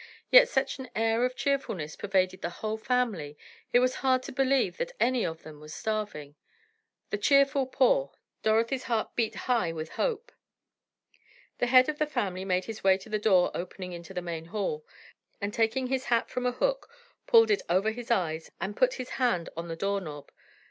Yet such an air of cheerfulness pervaded the whole family, it was hard to believe that any of them was starving. The cheerful poor! Dorothy's heart beat high with hope. The head of the family made his way to the door opening into the main hall, and taking his hat from a hook, pulled it over his eyes and put his hand on the door knob.